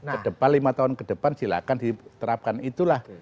kedepan lima tahun kedepan silakan diterapkan itulah